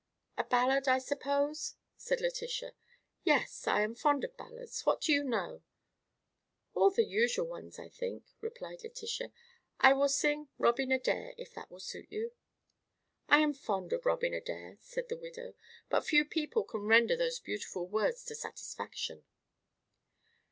"A ballad, I suppose?" said Letitia. "Yes; I am fond of ballads. What do you know?" "All the usual ones, I think," replied Letitia. "I will sing 'Robin Adair' if that will suit you." "I am fond of 'Robin Adair,'" said the widow; "but few people can render those beautiful words to satisfaction."